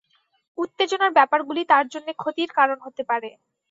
উত্তেজনার ব্যাপারগুলি তাঁর জন্যে ক্ষতির কারণ হতে পারে।